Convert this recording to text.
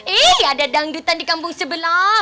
ini ada dangdutan di kampung sebelah